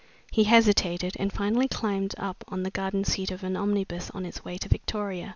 He hesitated, and finally climbed up on to the garden seat of an omnibus on its way to Victoria.